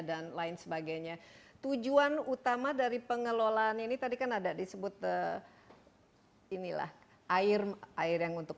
dan lain sebagainya tujuan utama dari pengelolaan ini tadi kan ada disebut inilah air air yang untuk